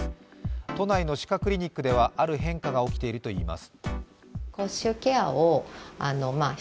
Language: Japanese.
都内の歯科クリニックではある変化が起きているといいます。